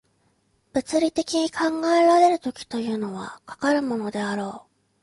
物理的に考えられる時というのは、かかるものであろう。